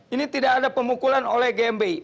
ini tidak ada pemukulan oleh gmbi